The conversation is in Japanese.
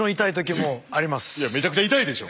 いやめちゃくちゃ痛いでしょ？